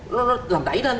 nó làm đẩy lên